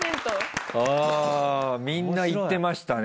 みんな行ってましたね。